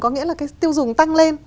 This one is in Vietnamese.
có nghĩa là cái tiêu dùng tăng lên